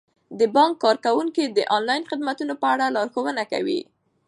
د بانک کارکوونکي د انلاین خدماتو په اړه لارښوونه کوي.